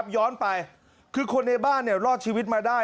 ย้อนไปคือคนในบ้านรอดชีวิตมาได้